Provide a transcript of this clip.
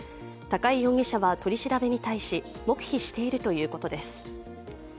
高井容疑者は取り調べに対し黙秘しているということです。